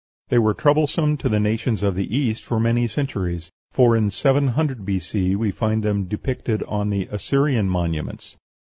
They were troublesome to the nations of the East for many centuries; for in 700 B.C. we find them depicted on the Assyrian monuments.